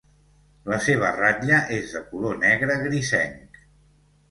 La seva ratlla és de color negre grisenc.